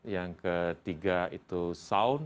yang ketiga itu sound